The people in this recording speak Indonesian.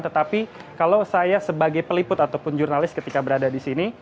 tetapi kalau saya sebagai peliput ataupun jurnalis ketika berada di sini